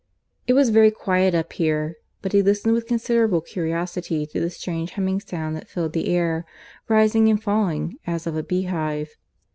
It was very quiet up here; but he listened with considerable curiosity to the strange humming sound that filled the air, rising and falling, as of a beehive.